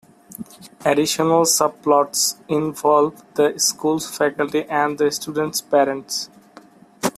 Additional subplots involve the school's faculty and the students' parents.